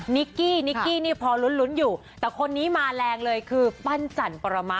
นิกกี้นิกกี้นี่พอลุ้นอยู่แต่คนนี้มาแรงเลยคือปั้นจันปรมะ